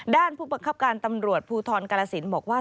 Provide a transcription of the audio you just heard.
ผู้บังคับการตำรวจภูทรกาลสินบอกว่า